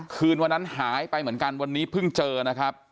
คืนวันนั้นหายไปเหมือนกันวันนี้เพิ่งเจอนะครับ